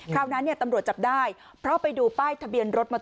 นั้นตำรวจจับได้เพราะไปดูป้ายทะเบียนรถมอเตอร์